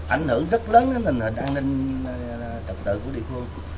ảnh hưởng rất lớn đến tình hình an ninh trật tự của địa phương